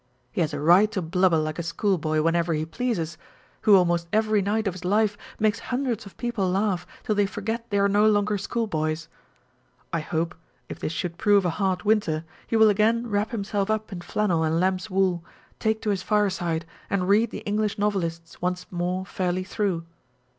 He has a right to blubber like a school boy whenever he pleases, who almost every night of his life makes hundreds of people laugh till they forget they are no longer school boys. I hope, if this should prove a hard winter, he will again wrap himself up in flannel and lamb's wool, take to his fire side, and read the English Novelists once more fairly through.